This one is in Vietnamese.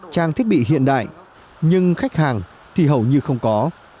trang thiết bị hiện đại nhưng khách hàng thì hầu như không có